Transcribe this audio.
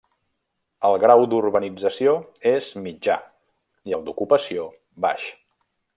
El grau d'urbanització és mitjà i el d'ocupació baix.